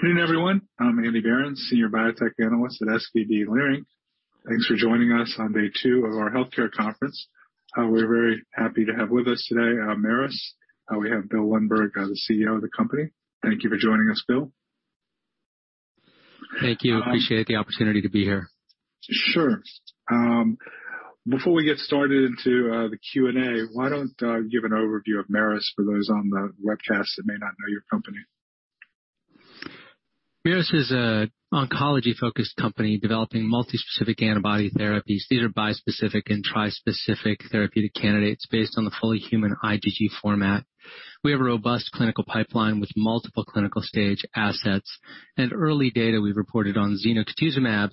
Good afternoon, everyone. I'm Andy Berens, Senior Biotech Analyst at SVB Leerink. Thanks for joining us on day two of our healthcare conference. We're very happy to have with us today, Merus. We have Bill Lundberg, the CEO of the company. Thank you for joining us, Bill. Thank you. Um- Appreciate the opportunity to be here. Sure. Before we get started into the Q&A, why don't you give an overview of Merus for those on the webcast that may not know your company? Merus is an oncology-focused company developing multispecific antibody therapies. These are bispecific and trispecific therapeutic candidates based on the fully human IgG format. We have a robust clinical pipeline with multiple clinical-stage assets and early data we've reported on zenocutuzumab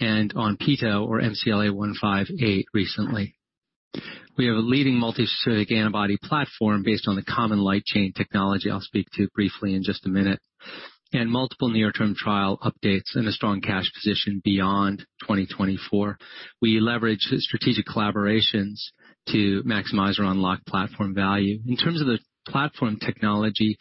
and on petosemtamab or MCLA-158 recently. We have a leading multispecific antibody platform based on the common light chain technology I'll speak to briefly in just a minute, and multiple near-term trial updates and a strong cash position beyond 2024. We leverage strategic collaborations to maximize our unlocked platform value. In terms of the platform technology,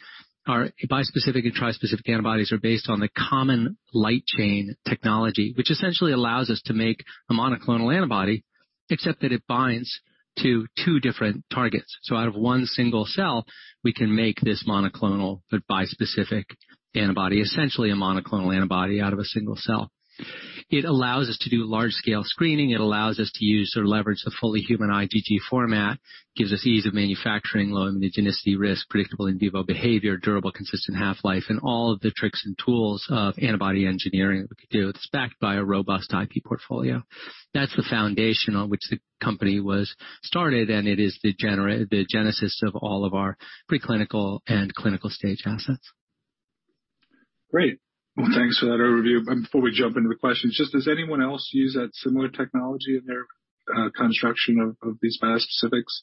our bispecific and trispecific antibodies are based on the common light chain technology, which essentially allows us to make a monoclonal antibody, except that it binds to two different targets. Out of one single cell, we can make this monoclonal, but bispecific antibody, essentially a monoclonal antibody out of a single cell. It allows us to do large-scale screening. It allows us to use or leverage the fully human IgG format, gives us ease of manufacturing, low immunogenicity risk, predictable in vivo behavior, durable, consistent half-life, and all of the tricks and tools of antibody engineering that we can do. It's backed by a robust IP portfolio. That's the foundation on which the company was started, and it is the genesis of all of our preclinical and clinical-stage assets. Great. Well, thanks for that overview. Before we jump into the questions, just does anyone else use that similar technology in their construction of these bispecifics?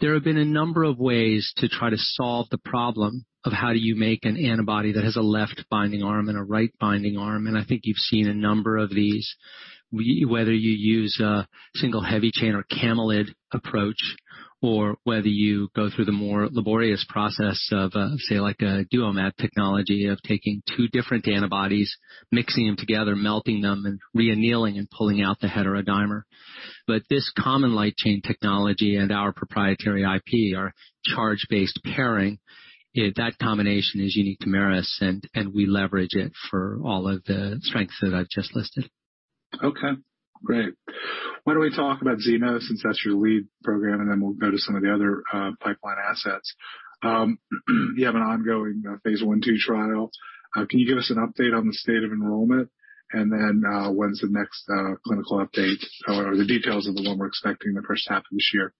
There have been a number of ways to try to solve the problem of how do you make an antibody that has a left binding arm and a right binding arm, and I think you've seen a number of these. Whether you use a single heavy chain or camelid approach, or whether you go through the more laborious process of, say, like a DuoBody technology of taking two different antibodies, mixing them together, melting them, and re-annealing and pulling out the heterodimer. But this common light chain technology and our proprietary IP, our charge-based pairing, that combination is unique to Merus, and we leverage it for all of the strengths that I've just listed. Okay, great. Why don't we talk about Zeno since that's your lead program, and then we'll go to some of the other pipeline assets. You have an ongoing phase I/II trial. Can you give us an update on the state of enrollment? When's the next clinical update or the details of the one we're expecting in the first half of this year?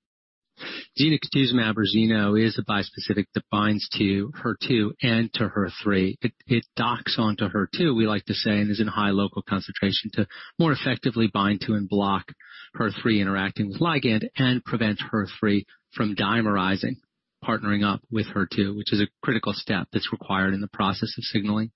Zenocutuzumab or Zeno is a bispecific that binds to HER2 and to HER3. It docks onto HER2, we like to say, and is in high local concentration to more effectively bind to and block HER3 interacting with ligand and prevents HER3 from dimerizing, partnering up with HER2, which is a critical step that's required in the process of signaling.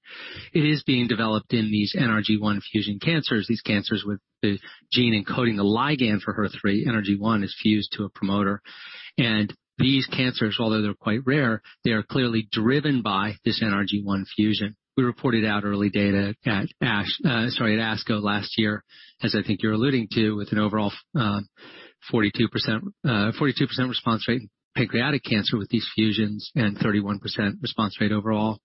It is being developed in these NRG1 fusion cancers. These cancers with the gene encoding the ligand for HER3, NRG1 is fused to a promoter. These cancers, although they're quite rare, they are clearly driven by this NRG1 fusion. We reported out early data at ASCO last year, as I think you're alluding to, with an overall 42% response rate in pancreatic cancer with these fusions and 31% response rate overall.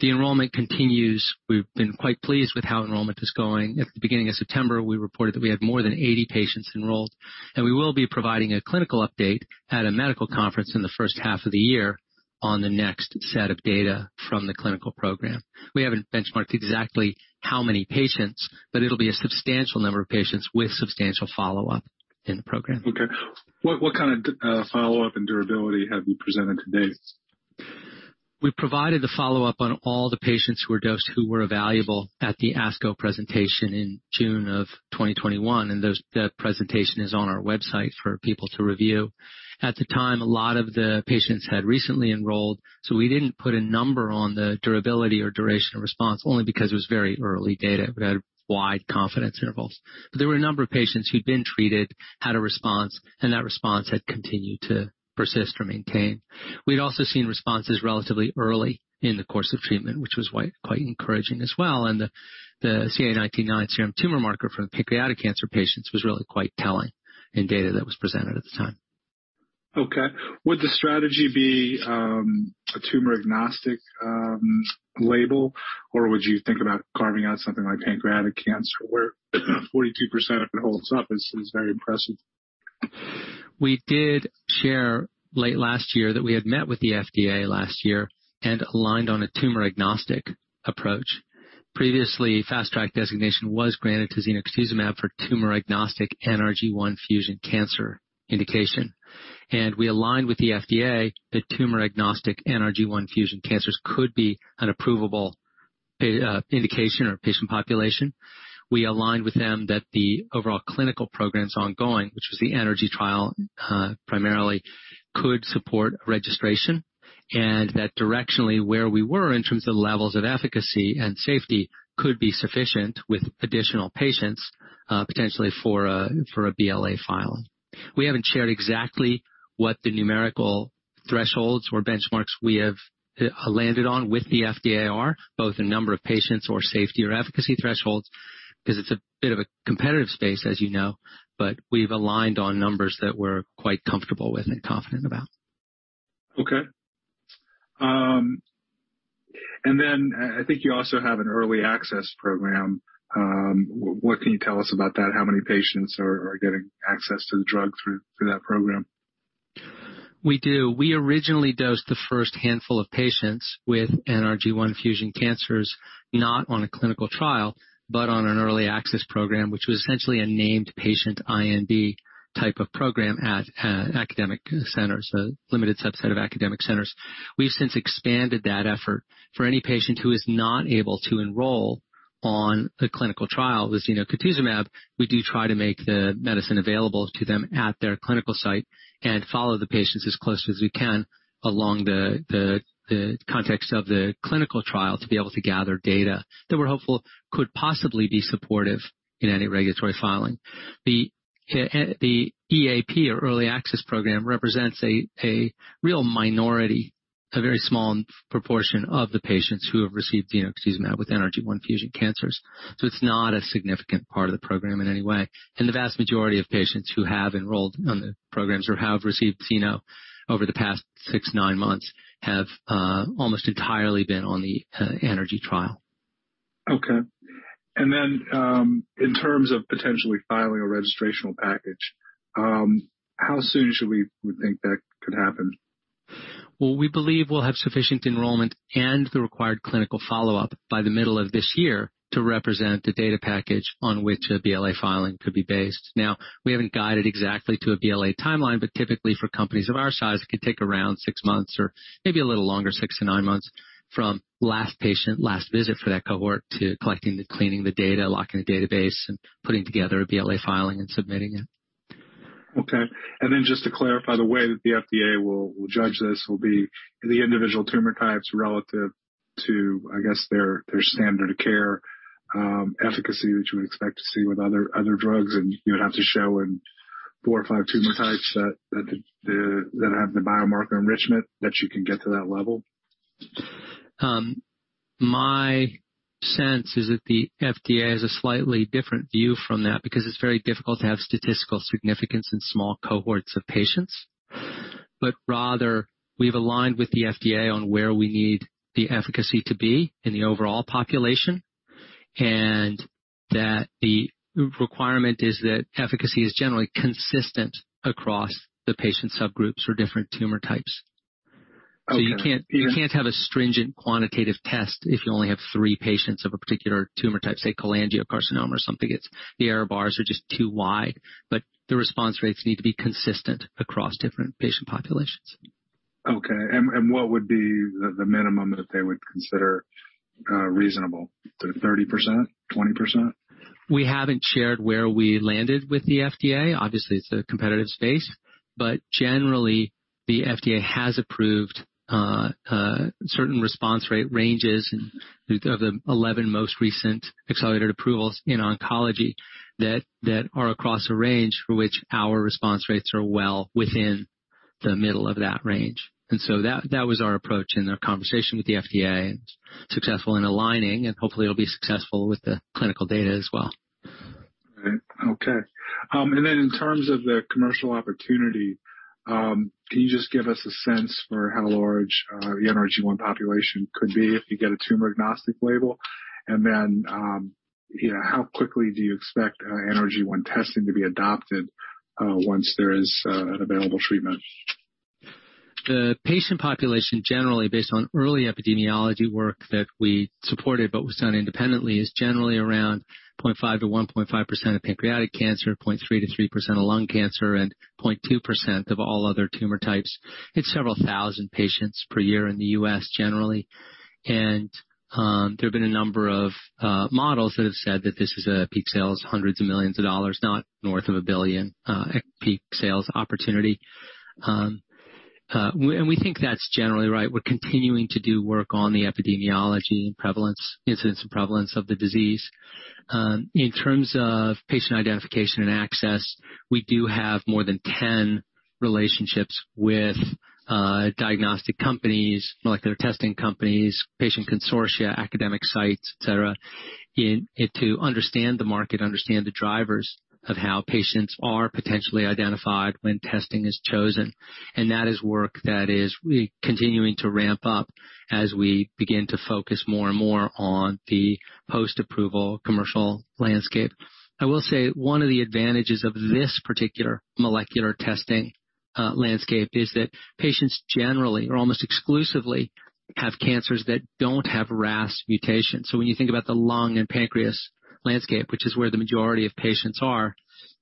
The enrollment continues. We've been quite pleased with how enrollment is going. At the beginning of September, we reported that we had more than 80 patients enrolled, and we will be providing a clinical update at a medical conference in the first half of the year on the next set of data from the clinical program. We haven't benchmarked exactly how many patients, but it'll be a substantial number of patients with substantial follow-up in the program. Okay. What kind of follow-up and durability have you presented to date? We provided the follow-up on all the patients who were dosed, who were evaluable at the ASCO presentation in June of 2021, and that presentation is on our website for people to review. At the time, a lot of the patients had recently enrolled, so we didn't put a number on the durability or duration of response only because it was very early data. We had wide confidence intervals. There were a number of patients who'd been treated, had a response, and that response had continued to persist or maintain. We'd also seen responses relatively early in the course of treatment, which was quite encouraging as well. The CA 19-9 serum tumor marker for the pancreatic cancer patients was really quite telling in the data that was presented at the time. Okay. Would the strategy be a tumor-agnostic label, or would you think about carving out something like pancreatic cancer where 42% of it holds up is very impressive? We did share late last year that we had met with the FDA last year and aligned on a tumor-agnostic approach. Previously, fast track designation was granted to zenocutuzumab for tumor-agnostic NRG1 fusion cancer indication. We aligned with the FDA that tumor-agnostic NRG1 fusion cancers could be an approvable indication or patient population. We aligned with them that the overall clinical programs ongoing, which was the eNRGy trial, primarily could support registration and that directionally, where we were in terms of levels of efficacy and safety could be sufficient with additional patients, potentially for a BLA filing. We haven't shared exactly what the numerical thresholds or benchmarks we have, landed on with the FDA are, both the number of patients or safety or efficacy thresholds, 'cause it's a bit of a competitive space, as you know, but we've aligned on numbers that we're quite comfortable with and confident about. I think you also have an early access program. What can you tell us about that? How many patients are getting access to the drug through that program? We do. We originally dosed the first handful of patients with NRG1 fusion cancers, not on a clinical trial, but on an early access program, which was essentially a named patient IND type of program at academic centers, a limited subset of academic centers. We've since expanded that effort. For any patient who is not able to enroll on a clinical trial of zenocutuzumab, we do try to make the medicine available to them at their clinical site and follow the patients as closely as we can along the context of the clinical trial to be able to gather data that we're hopeful could possibly be supportive in any regulatory filing. The EAP or early access program represents a real minority, a very small proportion of the patients who have received zenocutuzumab with NRG1 fusion cancers, so it's not a significant part of the program in any way. The vast majority of patients who have enrolled on the programs or have received Zeno over the past six to nine months have almost entirely been on the eNRGy trial. Okay. In terms of potentially filing a registrational package, how soon should we would think that could happen? Well, we believe we'll have sufficient enrollment and the required clinical follow-up by the middle of this year to represent the data package on which a BLA filing could be based. Now, we haven't guided exactly to a BLA timeline, but typically for companies of our size, it could take around six months or maybe a little longer, six to nine months from last patient, last visit for that cohort to collecting, cleaning the data, locking the database and putting together a BLA filing and submitting it. Okay. Then just to clarify, the way that the FDA will judge this will be the individual tumor types relative to, I guess, their standard of care, efficacy that you would expect to see with other drugs and you would have to show in four or five tumor types that have the biomarker enrichment that you can get to that level? My sense is that the FDA has a slightly different view from that because it's very difficult to have statistical significance in small cohorts of patients. Rather we've aligned with the FDA on where we need the efficacy to be in the overall population, and that the requirement is that efficacy is generally consistent across the patient subgroups or different tumor types. Okay. You can't have a stringent quantitative test if you only have three patients of a particular tumor type, say cholangiocarcinoma or something. The error bars are just too wide, but the response rates need to be consistent across different patient populations. Okay. What would be the minimum that they would consider reasonable? 30%? 20%? We haven't shared where we landed with the FDA. Obviously it's a competitive space. Generally, the FDA has approved certain response rate ranges of the 11 most recent accelerated approvals in oncology that are across a range for which our response rates are well within the middle of that range. That was our approach in our conversation with the FDA, and successful in aligning, and hopefully it'll be successful with the clinical data as well. Okay. In terms of the commercial opportunity, can you just give us a sense for how large the NRG1 population could be if you get a tumor-agnostic label? You know, how quickly do you expect NRG1 testing to be adopted once there is an available treatment? The patient population generally based on early epidemiology work that we supported but was done independently, is generally around 0.5%-1.5% of pancreatic cancer, 0.3%-3% of lung cancer, and 0.2% of all other tumor types. It's several thousand patients per year in the U.S. generally. There have been a number of models that have said that this was a peak sales, hundreds of millions of dollars, not north of a billion, peak sales opportunity. We think that's generally right. We're continuing to do work on the epidemiology and prevalence, incidence and prevalence of the disease. In terms of patient identification and access, we do have more than 10 relationships with diagnostic companies, molecular testing companies, patient consortia, academic sites, et cetera, to understand the market, understand the drivers of how patients are potentially identified when testing is chosen. That is work that we are continuing to ramp up as we begin to focus more and more on the post-approval commercial landscape. I will say one of the advantages of this particular molecular testing landscape is that patients generally or almost exclusively have cancers that don't have RAS mutations. When you think about the lung and pancreas landscape, which is where the majority of patients are,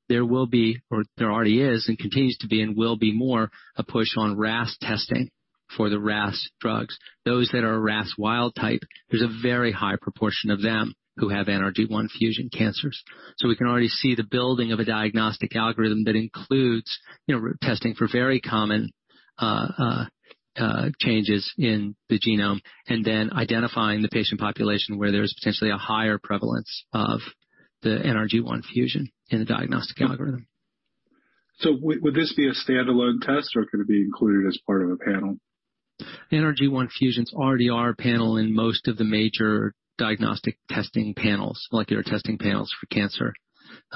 there will be or there already is and continues to be and will be more a push on RAS testing for the RAS drugs. Those that are RAS wild-type, there's a very high proportion of them who have NRG1 fusion cancers. We can already see the building of a diagnostic algorithm that includes, you know, re-testing for very common changes in the genome and then identifying the patient population where there's potentially a higher prevalence of the NRG1 fusion in the diagnostic algorithm. Would this be a standalone test or could it be included as part of a panel? NRG1 fusions already are on panel in most of the major diagnostic testing panels, molecular testing panels for cancer.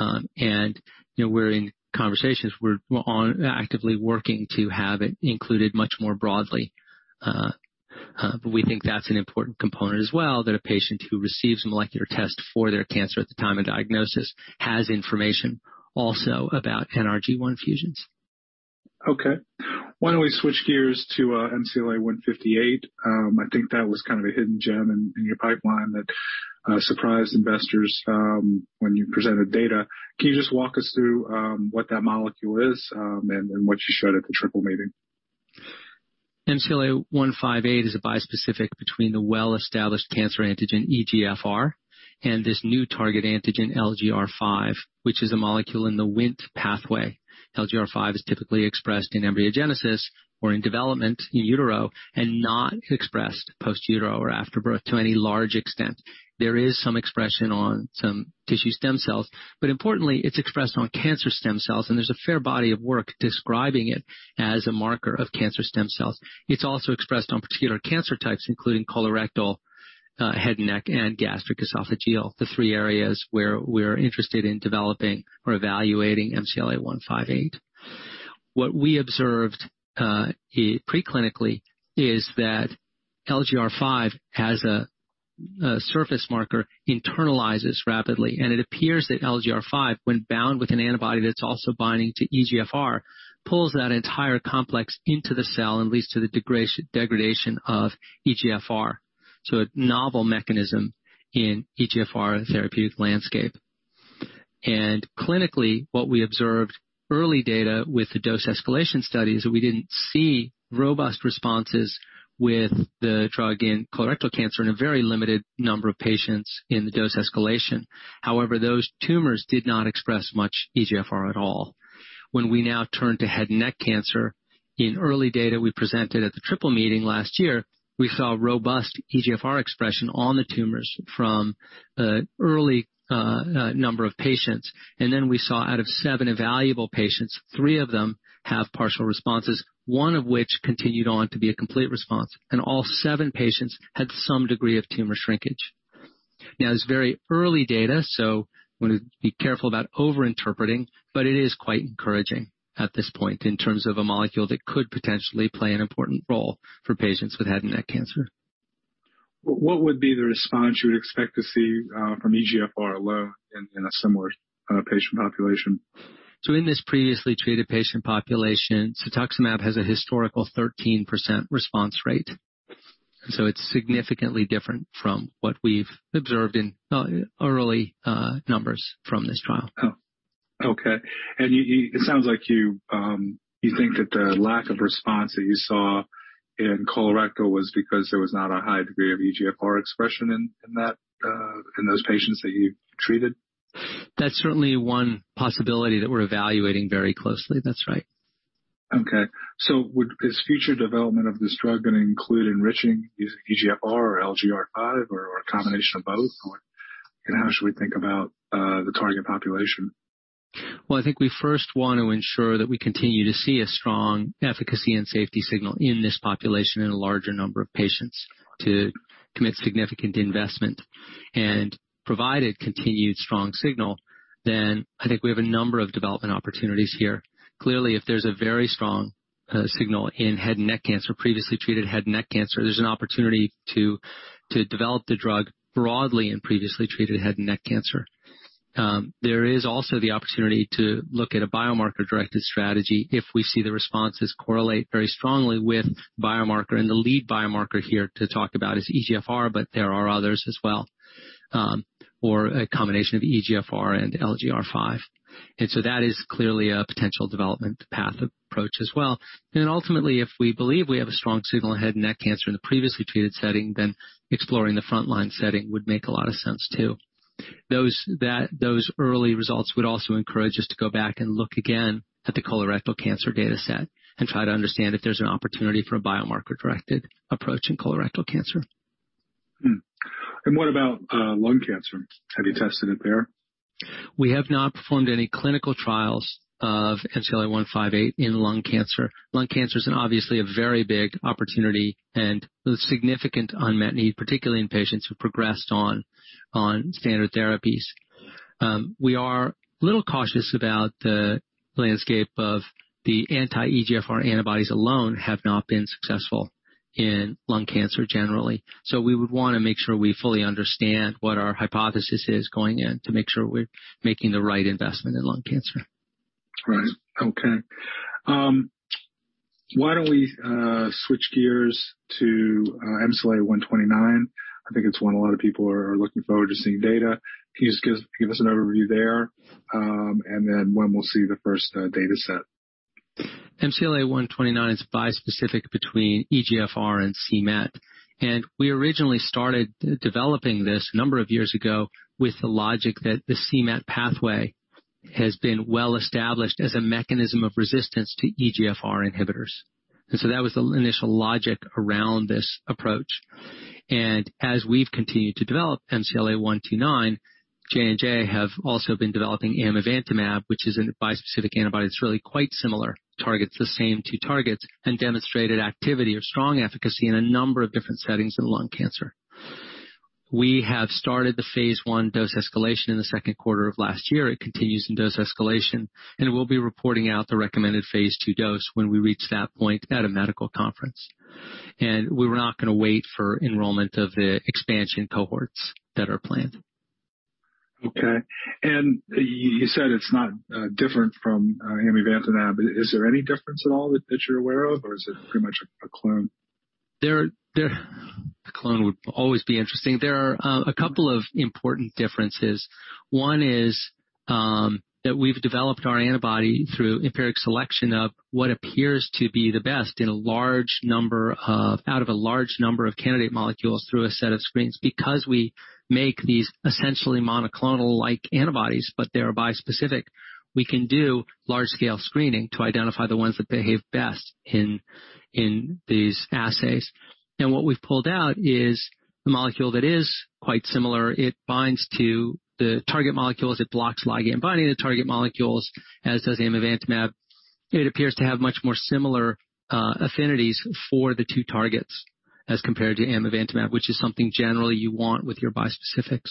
You know, we're in conversations. We're actively working to have it included much more broadly, but we think that's an important component as well, that a patient who receives a molecular test for their cancer at the time of diagnosis has information also about NRG1 fusions. Okay. Why don't we switch gears to MCLA-158? I think that was kind of a hidden gem in your pipeline that surprised investors when you presented data. Can you just walk us through what that molecule is and what you showed at the Triple Meeting? MCLA-158 is a bispecific between the well-established cancer antigen EGFR and this new target antigen LGR5, which is a molecule in the WNT pathway. LGR5 is typically expressed in embryogenesis or in development in utero and not expressed post utero or after birth to any large extent. There is some expression on some tissue stem cells, but importantly, it's expressed on cancer stem cells, and there's a fair body of work describing it as a marker of cancer stem cells. It's also expressed on particular cancer types, including colorectal, head and neck, and gastric esophageal, the three areas where we're interested in developing or evaluating MCLA-158. What we observed, preclinically is that LGR5 has a surface marker, internalizes rapidly, and it appears that LGR5, when bound with an antibody that's also binding to EGFR, pulls that entire complex into the cell and leads to the degradation of EGFR. A novel mechanism in EGFR therapeutic landscape. Clinically, what we observed early data with the dose escalation studies, that we didn't see robust responses with the drug in colorectal cancer in a very limited number of patients in the dose escalation. However, those tumors did not express much EGFR at all. When we now turn to head and neck cancer, in early data we presented at the Triple Meeting last year, we saw robust EGFR expression on the tumors from an early number of patients. We saw out of seven evaluable patients, three of them have partial responses, one of which continued on to be a complete response. All seven patients had some degree of tumor shrinkage. Now, it's very early data, so wanna be careful about over-interpreting, but it is quite encouraging at this point in terms of a molecule that could potentially play an important role for patients with head and neck cancer. What would be the response you would expect to see from EGFR alone in a similar patient population? In this previously treated patient population, Cetuximab has a historical 13% response rate. It's significantly different from what we've observed in early numbers from this trial. Oh, okay. It sounds like you think that the lack of response that you saw in colorectal was because there was not a high degree of EGFR expression in those patients that you treated? That's certainly one possibility that we're evaluating very closely. That's right. Okay. Would this future development of this drug gonna include enriching using EGFR or LGR5 or a combination of both? Or how should we think about the target population? Well, I think we first want to ensure that we continue to see a strong efficacy and safety signal in this population in a larger number of patients to commit significant investment. Provided continued strong signal, then I think we have a number of development opportunities here. Clearly, if there's a very strong signal in head and neck cancer, previously treated head and neck cancer, there's an opportunity to develop the drug broadly in previously treated head and neck cancer. There is also the opportunity to look at a biomarker-directed strategy if we see the responses correlate very strongly with biomarker. The lead biomarker here to talk about is EGFR, but there are others as well, or a combination of EGFR and LGR5. That is clearly a potential development path approach as well. Ultimately, if we believe we have a strong signal in head and neck cancer in the previously treated setting, then exploring the frontline setting would make a lot of sense too. Those early results would also encourage us to go back and look again at the colorectal cancer dataset and try to understand if there's an opportunity for a biomarker-directed approach in colorectal cancer. What about lung cancer? Have you tested it there? We have not performed any clinical trials of MCLA-158 in lung cancer. Lung cancer is obviously a very big opportunity and with significant unmet need, particularly in patients who progressed on standard therapies. We are a little cautious about the landscape of the anti-EGFR antibodies alone have not been successful in lung cancer generally. We would wanna make sure we fully understand what our hypothesis is going in to make sure we're making the right investment in lung cancer. Right. Okay. Why don't we switch gears to MCLA-129? I think it's one a lot of people are looking forward to seeing data. Can you just give us an overview there, and then when we'll see the first data set. MCLA-129 is bispecific between EGFR and c-MET. We originally started developing this a number of years ago with the logic that the c-MET pathway has been well-established as a mechanism of resistance to EGFR inhibitors. That was the initial logic around this approach. As we've continued to develop MCLA-129, J&J have also been developing amivantamab, which is a bispecific antibody. It's really quite similar, targets the same two targets and demonstrated activity or strong efficacy in a number of different settings in lung cancer. We have started the phase I dose escalation in the second quarter of last year. It continues in dose escalation, and we'll be reporting out the recommended phase II dose when we reach that point at a medical conference. We were not gonna wait for enrollment of the expansion cohorts that are planned. Okay. You said it's not different from amivantamab. Is there any difference at all that you're aware of, or is it pretty much a clone? A clone would always be interesting. There are a couple of important differences. One is that we've developed our antibody through empirical selection of what appears to be the best out of a large number of candidate molecules through a set of screens. Because we make these essentially monoclonal-like antibodies, but they are bispecific, we can do large-scale screening to identify the ones that behave best in these assays. What we've pulled out is a molecule that is quite similar. It binds to the target molecules. It blocks ligand binding to target molecules, as does amivantamab. It appears to have much more similar affinities for the two targets as compared to amivantamab, which is something generally you want with your bispecifics.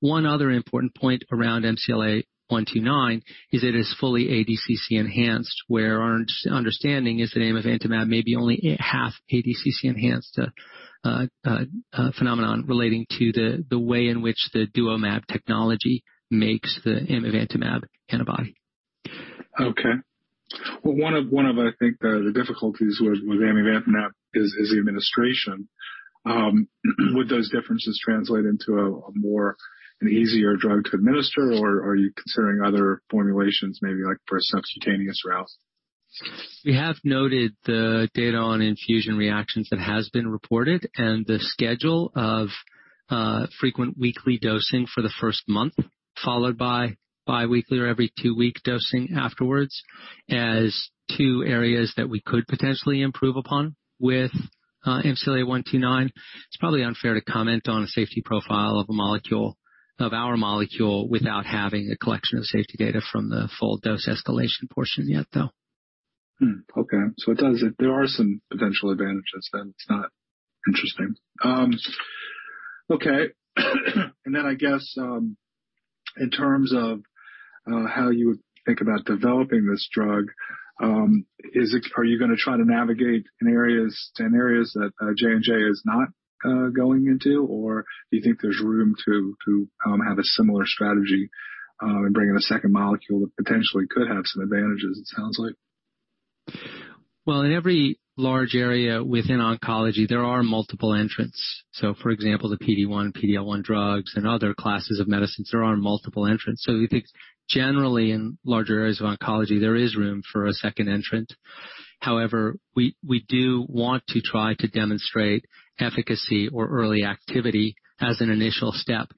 One other important point around MCLA-129 is it is fully ADCC-enhanced, where our understanding is that amivantamab may be only half ADCC-enhanced, phenomenon relating to the way in which the DuoBody technology makes the amivantamab antibody. Okay. Well, one of I think the difficulties with amivantamab is the administration. Would those differences translate into a more an easier drug to administer, or are you considering other formulations maybe like for a subcutaneous route? We have noted the data on infusion reactions that has been reported and the schedule of frequent weekly dosing for the first month, followed by bi-weekly or every two-week dosing afterwards as two areas that we could potentially improve upon with MCLA-129. It's probably unfair to comment on a safety profile of a molecule, of our molecule without having a collection of safety data from the full dose escalation portion yet, though. There are some potential advantages then. It is interesting. Okay. I guess in terms of how you would think about developing this drug, are you gonna try to navigate in areas that J&J is not going into, or do you think there's room to have a similar strategy and bring in a second molecule that potentially could have some advantages, it sounds like? Well, in every large area within oncology, there are multiple entrants. For example, the PD-1, PD-L1 drugs and other classes of medicines, there are multiple entrants. We think generally in larger areas of oncology, there is room for a second entrant. However, we do want to try to demonstrate efficacy or early activity as an initial step.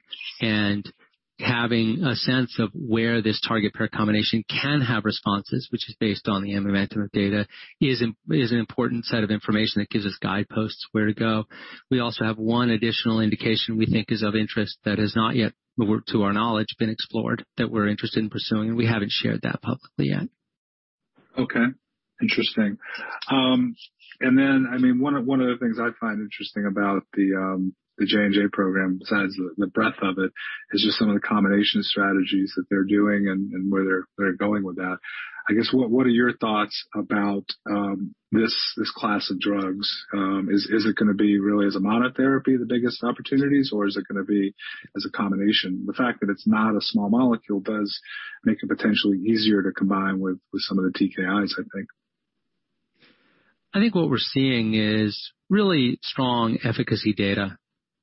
Having a sense of where this target pair combination can have responses, which is based on the amivantamab data, is an important set of information that gives us guideposts where to go. We also have one additional indication we think is of interest that has not yet, to our knowledge, been explored that we're interested in pursuing, and we haven't shared that publicly yet. Okay. Interesting. I mean, one of the things I find interesting about the J&J program, besides the breadth of it, is just some of the combination strategies that they're doing and where they're going with that. I guess, what are your thoughts about this class of drugs? Is it gonna be really as a monotherapy, the biggest opportunities, or is it gonna be as a combination? The fact that it's not a small molecule does make it potentially easier to combine with some of the TKIs, I think. I think what we're seeing is really strong efficacy data,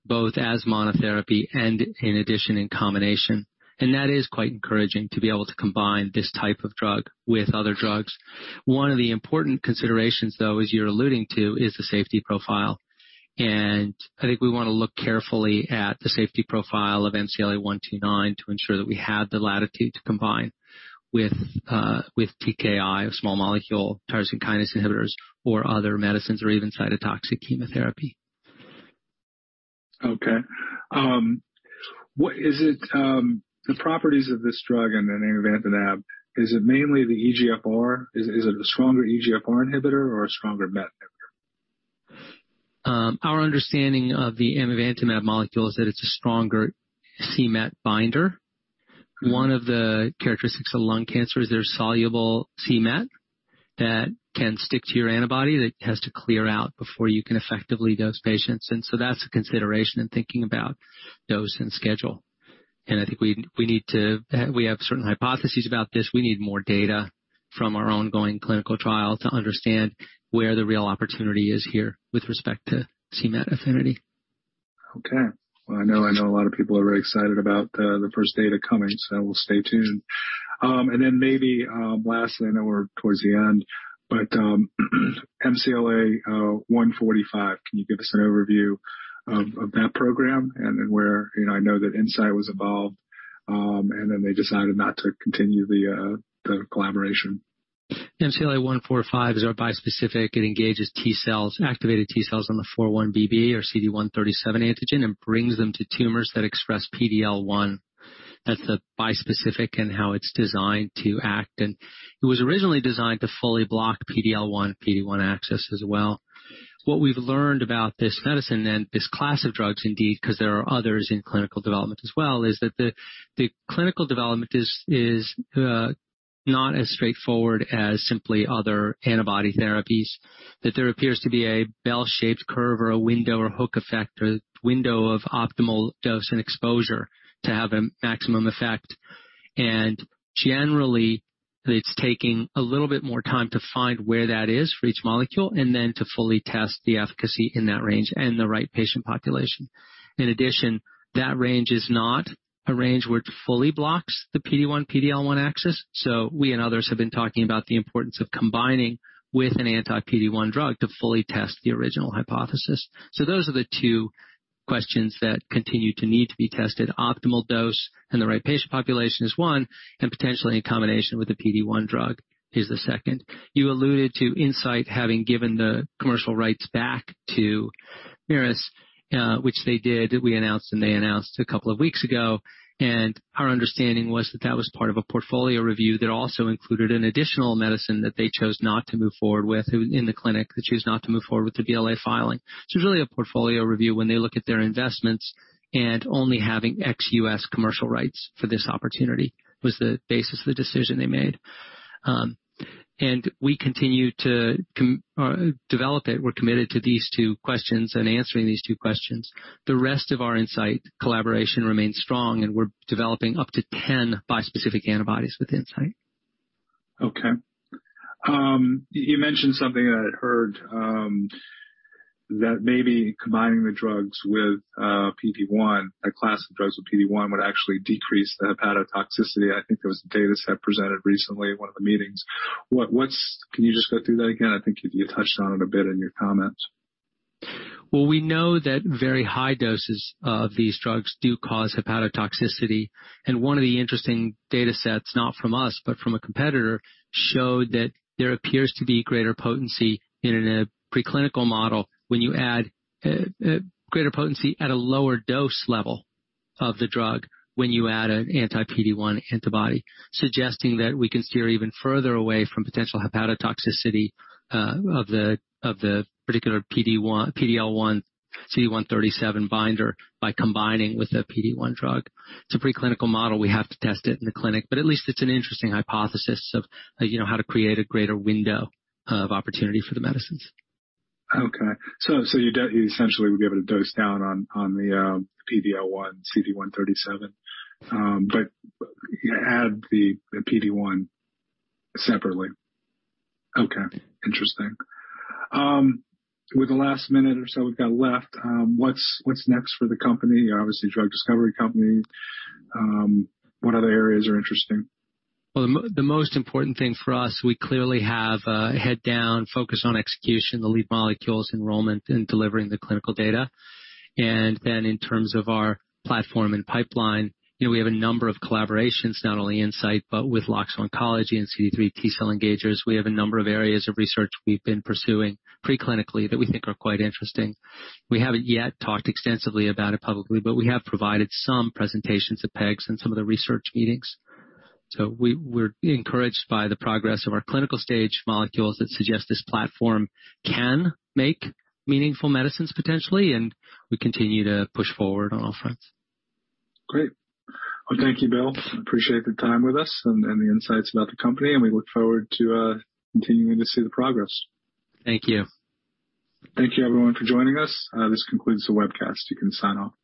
both as monotherapy and in addition in combination. That is quite encouraging to be able to combine this type of drug with other drugs. One of the important considerations, though, as you're alluding to, is the safety profile. I think we wanna look carefully at the safety profile of MCLA-129 to ensure that we have the latitude to combine with TKI or small molecule tyrosine kinase inhibitors or other medicines or even cytotoxic chemotherapy. Okay. What are the properties of this drug and amivantamab? Is it mainly the EGFR? Is it a stronger EGFR inhibitor or a stronger MET inhibitor? Our understanding of the amivantamab molecule is that it's a stronger c-MET binder. One of the characteristics of lung cancer is there's soluble c-MET that can stick to your antibody that has to clear out before you can effectively dose patients. That's a consideration in thinking about dose and schedule. I think we have certain hypotheses about this. We need more data from our ongoing clinical trial to understand where the real opportunity is here with respect to c-MET affinity. Okay. Well, I know a lot of people are very excited about the first data coming, so we'll stay tuned. Then maybe lastly, I know we're towards the end, but MCLA-145, can you give us an overview of that program and then where. You know, I know that Incyte was involved, and then they decided not to continue the collaboration. MCLA-145 is our bispecific. It engages T cells, activated T cells on the 4-1BB or CD137 antigen and brings them to tumors that express PD-L1. That's the bispecific and how it's designed to act. It was originally designed to fully block PD-L1, PD-1 access as well. What we've learned about this medicine and this class of drugs, indeed, 'cause there are others in clinical development as well, is that the clinical development is not as straightforward as simply other antibody therapies, that there appears to be a bell-shaped curve or a window or hook effect or window of optimal dose and exposure to have a maximum effect. Generally, it's taking a little bit more time to find where that is for each molecule, and then to fully test the efficacy in that range and the right patient population. In addition, that range is not a range which fully blocks the PD-1, PD-L1 axis, so we and others have been talking about the importance of combining with an anti-PD-1 drug to fully test the original hypothesis. Those are the two questions that continue to need to be tested. Optimal dose and the right patient population is one, and potentially in combination with the PD-1 drug is the second. You alluded to Incyte having given the commercial rights back to Merus, which they did. We announced and they announced a couple of weeks ago, and our understanding was that was part of a portfolio review that also included an additional medicine that they chose not to move forward with in the clinic. They chose not to move forward with the BLA filing. It's really a portfolio review when they look at their investments, and only having ex-U.S. commercial rights for this opportunity was the basis of the decision they made. We continue to develop it. We're committed to these two questions and answering these two questions. The rest of our Incyte collaboration remains strong, and we're developing up to 10 bispecific antibodies with Incyte. Okay. You mentioned something that I'd heard, that maybe combining the drugs with PD-1, a class of drugs with PD-1 would actually decrease the hepatotoxicity. I think there was a data set presented recently at one of the meetings. What can you just go through that again? I think you touched on it a bit in your comments. Well, we know that very high doses of these drugs do cause hepatotoxicity. One of the interesting data sets, not from us, but from a competitor, showed that there appears to be greater potency in a preclinical model when you add greater potency at a lower dose level of the drug when you add an anti-PD-1 antibody, suggesting that we can steer even further away from potential hepatotoxicity of the particular PD-1, PD-L1, CD137 binder by combining with a PD-1 drug. It's a preclinical model. We have to test it in the clinic, but at least it's an interesting hypothesis of, you know, how to create a greater window of opportunity for the medicines. Okay. You essentially would be able to dose down on the PD-L1, CD137, but add the PD-1 separately. Okay. Interesting. With the last minute or so we've got left, what's next for the company? Obviously, drug discovery company. What other areas are interesting? Well, the most important thing for us, we clearly have a head down, focus on execution, the lead molecules, enrollment, and delivering the clinical data. Then in terms of our platform and pipeline, you know, we have a number of collaborations, not only Incyte, but with Loxo Oncology and CD3 T-cell engagers. We have a number of areas of research we've been pursuing preclinically that we think are quite interesting. We haven't yet talked extensively about it publicly, but we have provided some presentations at PEGS and some of the research meetings. We're encouraged by the progress of our clinical-stage molecules that suggest this platform can make meaningful medicines potentially, and we continue to push forward on all fronts. Great. Well, thank you, Bill. Appreciate the time with us and the insights about the company, and we look forward to continuing to see the progress. Thank you. Thank you everyone for joining us. This concludes the webcast. You can sign off.